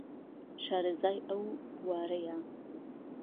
شارەزای ئەو بووارەیە